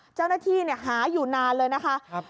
เจ้าหน้าที่หาอยู่นานเลยนะคะ